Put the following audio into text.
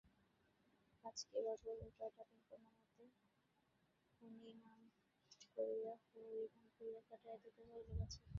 কাজ কী বাপু, এ কয়েকটা দিন কোনোমতে হরিনাম করিয়া কাটাইয়া দিতে পারিলে বাঁচি।